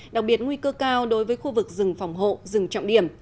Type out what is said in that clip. đặc biệt nguy cơ cao đối với khu vực rừng phòng hộ rừng trọng điểm